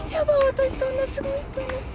私そんなすごい人に。